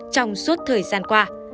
trong suốt thời gian qua